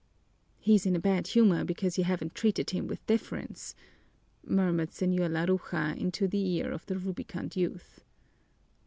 "He's in a bad humor because you haven't treated him with deference," murmured Señor Laruja into the ear of the rubicund youth.